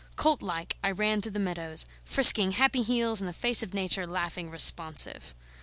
Colt like I ran through the meadows, frisking happy heels in the face of Nature laughing responsive.